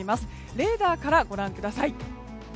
レーダーからご覧ください。